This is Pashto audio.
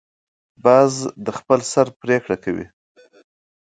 باز د خپل سر پریکړه کوي